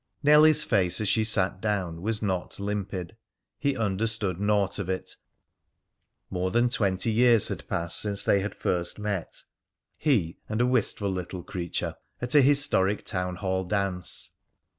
Nellie's face as she sat down was not limpid. He understood naught of it. More than twenty years had passed since they had first met he and a wistful little creature at a historic town hall dance.